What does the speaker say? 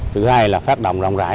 thứ hai là phát động rộng rãi